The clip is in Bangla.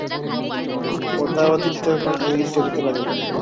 প্রতাপাদিত্যের কথাই চলিতে লাগিল।